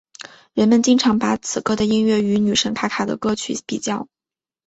人们经常把此歌的音乐与女神卡卡的歌曲比较。